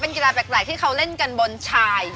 กีฬาแปลกที่เขาเล่นกันบนชาย